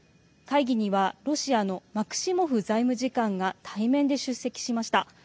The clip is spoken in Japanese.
会議には、ロシアのマクシモフ財務次官が対面で出席しました。